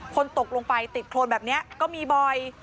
คนตกลงไปติดโครนแบบนี้ก็มีบ่อย